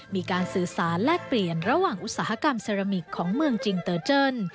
มีการสื่อสารแลกเปลี่ยนระหว่างอุตสาหกรรมเซรามิกของเมืองจิงเตอร์เจิ้น